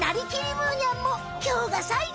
むーにゃん」もきょうがさいご！